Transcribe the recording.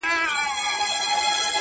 چي مي هر څه غلا کول دې نازولم٫